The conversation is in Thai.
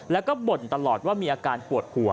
แล้วก็บ่นตลอดว่ามีอาการปวดหัว